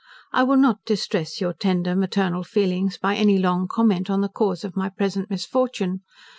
I will not distress your tender maternal feelings by any long comment on the cause of my present misfortune.